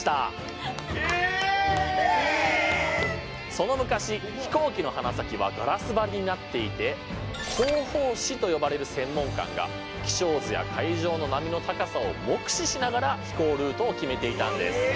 その昔飛行機の鼻先はガラス張りになっていて航法士と呼ばれる専門官が気象図や海上の波の高さを目視しながら飛行ルートを決めていたんです。